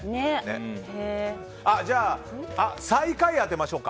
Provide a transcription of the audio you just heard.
じゃあ最下位を当てましょうか。